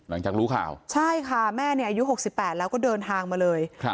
หลังจากรู้ข่าวใช่ค่ะแม่เนี่ยอายุ๖๘แล้วก็เดินทางมาเลยครับ